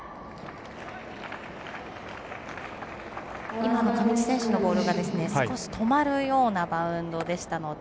今の上地選手のボールが少し止まるようなバウンドだったので。